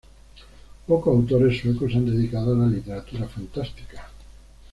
Pocos autores suecos se han dedicado a la literatura fantástica.